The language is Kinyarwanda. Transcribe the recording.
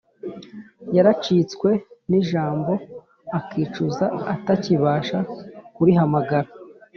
yaracitswe n'ijambo akicuza atakibasha kurihamagara?